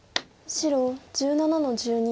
白１７の十二。